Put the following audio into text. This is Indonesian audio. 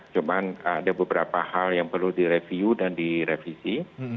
cuman ada beberapa hal yang perlu direview dan direvisi